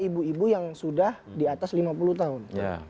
ibu ibu yang sudah di atas lima puluh tahun